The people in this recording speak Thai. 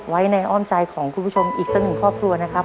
ไว้ในอ้อมใจของคุณผู้ชมอีกสักหนึ่งครอบครัวนะครับ